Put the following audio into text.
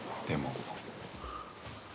でも